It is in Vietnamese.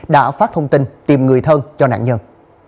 đã phát thông tin tìm người thân cho nạn nhân